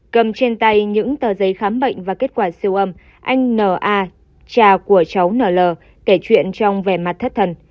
cầm trên tay những tờ giấy khám bệnh và kết quả siêu âm anh n a cha của cháu n l kể chuyện trong vẻ mặt thất thần